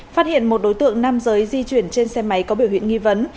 phát hiện một đối tượng nam giới di chuyển trên xe máy có biểu hiện nghi vấn